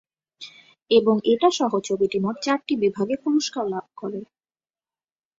এবং এটা সহ ছবিটি মোট চারটি বিভাগে পুরস্কার লাভ করে।